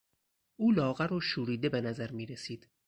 او لاغر و شوریده به نظر میرسید.